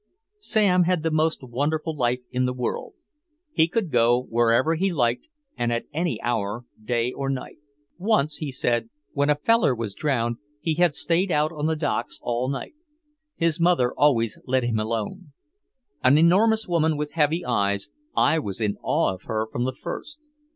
Sam had the most wonderful life in the world. He could go wherever he liked and at any hour day or night. Once, he said, when a "feller" was drowned, he had stayed out on the docks all night. His mother always let him alone. An enormous woman with heavy eyes, I was in awe of her from the first.